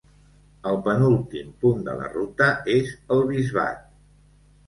El penúltim punt de la ruta és El Bisbat.